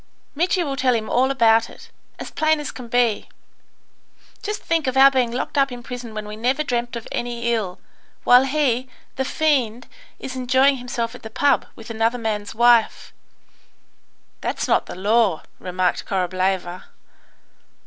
Mitri will tell him all about it, as plain as can be. Just think of our being locked up in prison when we never dreamt of any ill, while he, the fiend, is enjoying himself at the pub, with another man's wife." "That's not the law," remarked Korableva.